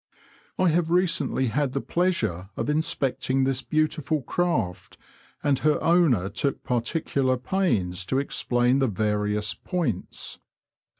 I have recently had the pleasure of inspecting this beau tiful craft, and her owner took particular pains t© explain the various "points."